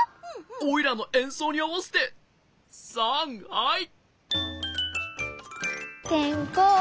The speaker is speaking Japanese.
おいらのえんそうにあわせてさんはい！